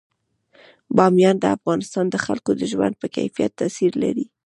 بامیان د افغانستان د خلکو د ژوند په کیفیت تاثیر لري.